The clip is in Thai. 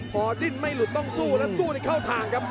พอดิ้นไม่หลุดต้องสู้แล้วสู้ในเข้าทางครับ